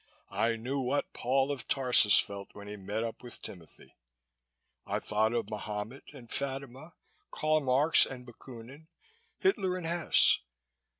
I knew what Paul of Tarsus felt when he met up with Timothy. I thought of Mahomet and Fatima, Karl Marx and Bakunin, Hitler and Hess.